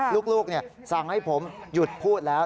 ลูกสั่งให้ผมหยุดพูดแล้ว